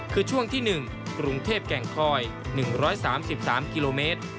คือช่วงที่๑กรุงเทพแก่งคอย๑๓๓กิโลเมตร